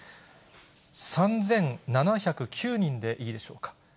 ３７０９人でいいでしょうか。